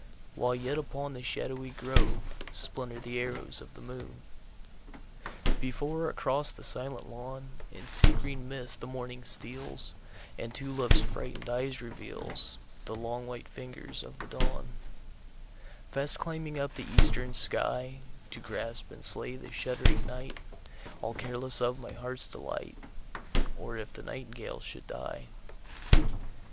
While yet upon the shadowy groveSplinter the arrows of the moon. Before across the silent lawnIn sea green mist the morning steals, And to love's frightened eyes revealsThe long white fingers of the dawnFast climbing up the eastern skyTo grasp and slay the shuddering night, All careless of my heart's delight, Or if the nightingale should die.